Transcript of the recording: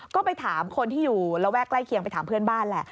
ก็ไปถามคนที่อยู่ระแวกใกล้เคียงไปถามเพื่อนบ้านแหละ